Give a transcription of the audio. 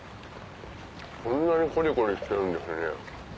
こんなにコリコリしてるんですね。